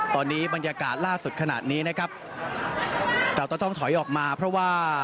ตอนนี้บรรยากาศล่าสุดขนาดนี้นะครับเราก็ต้องถอยออกมาเพราะว่า